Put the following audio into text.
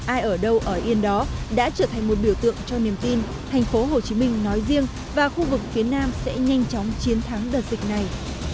ai ở đâu ở yên đó đã trở thành một biểu tượng cho niềm tin tp hcm nói riêng và khu vực phía nam sẽ nhanh chóng chiến thắng đợt dịch này